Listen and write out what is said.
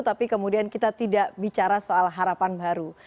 tapi kemudian kita tidak bicara soal harapan baru